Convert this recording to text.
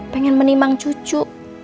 pengen menimang cucu